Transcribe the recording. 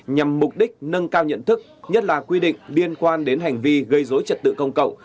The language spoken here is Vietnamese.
nhằm mục đích nâng cao nhận thức nhất là quy định liên quan đến hành vi gây dối trật tự công cộng